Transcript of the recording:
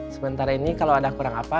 sementara ini kalau ada kurang apa